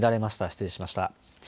失礼しました。